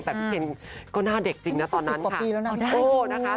แต่ปีเคนก็หน้าเด็กจริงนะตอนนั้นค่ะครบปีแล้วนะเออได้ดู